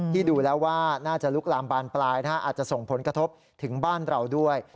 ดูแล้วว่าน่าจะลุกลามบานปลายอาจจะส่งผลกระทบถึงบ้านเราด้วย